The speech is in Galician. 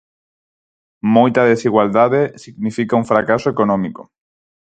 Moita desigualdade significa un fracaso económico.